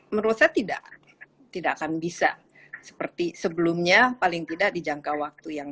menurut saya tidak tidak akan bisa seperti sebelumnya paling tidak di jangka waktu yang